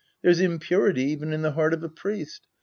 There's impurity even in the heart of a priest.